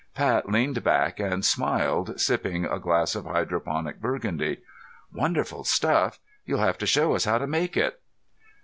Pat leaned back and smiled, sipping a glass of hydroponic burgundy. "Wonderful stuff. You'll have to show us how to make it."